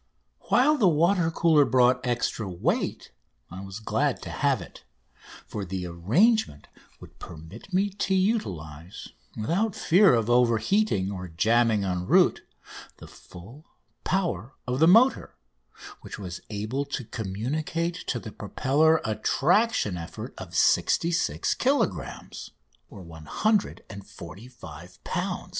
While the water cooler brought extra weight, I was glad to have it, for the arrangement would permit me to utilise, without fear of overheating or jamming en route, the full power of the motor, which was able to communicate to the propeller a traction effort of 66 kilogrammes (145 lbs.). [Illustration: AN ACCIDENT TO "No.